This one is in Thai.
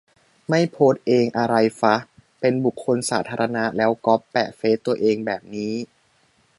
ไม่โพสเองอะไรฟระ ? เป็นบุคคลสาธารณะแล้วก๊อปแปะเฟสตัวเองแบบนี้